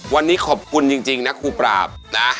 วันนี้ขอบคุณจริงนะครูปราบนะ